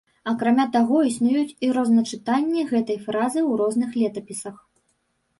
Акрамя таго, існуюць і розначытанні гэтай фразы ў розных летапісах.